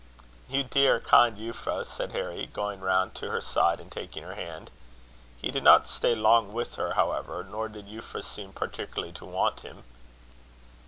"You dear kind Euphra!" said Harry, going round to her side and taking her hand. He did not stay long with her, however, nor did Euphra seem particularly to want him.